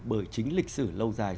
bởi chính lịch sử lâu dài